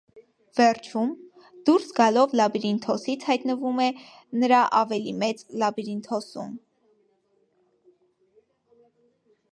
Վերջում, դուրս գալով լաբիրինթոսից հայտնվում է նր ավելի մեծ լաբիրինթոսում։